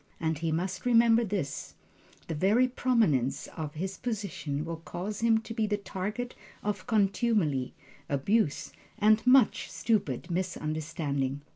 And he must remember this: the very prominence of his position will cause him to be the target of contumely, abuse and much stupid misunderstanding.